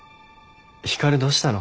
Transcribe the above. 光どうしたの？